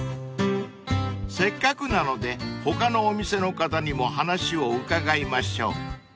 ［せっかくなので他のお店の方にも話を伺いましょう］